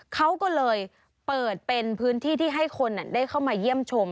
เขาก็เลยเปิดเป็นพื้นที่ที่ให้คนได้เข้ามาเยี่ยมชม